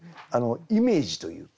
イメージというか。